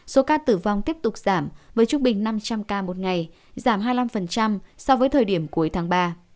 số ca tử vong tiếp tục giảm với trung bình năm trăm linh ca một ngày giảm hai mươi năm so với thời điểm cuối tháng ba